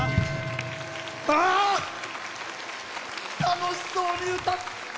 楽しそうに歌って。